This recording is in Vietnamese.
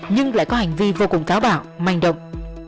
nhưng lại có hành vi vô cùng tháo bảo manh động